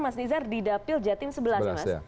mas nizar di dapil jatim sebelas ya mas